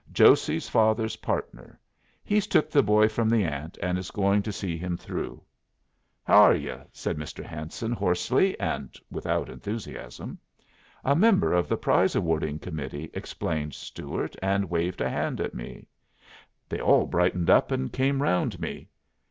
"Josey's father's partner. He's took the boy from the aunt and is going to see him through." "How 'r' ye?" said Mr. Hanson, hoarsely, and without enthusiasm. "A member of the prize awarding committee," explained Stuart, and waved a hand at me. They all brightened up and came round me.